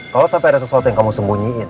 kalau sampai ada sesuatu yang kamu sembunyiin